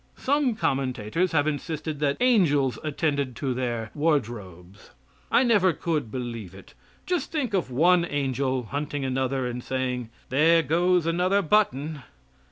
Some commentators have insisted that angels attended to their wardrobes. I never could believe it. Just think of one angel hunting another and saying: "There goes another button."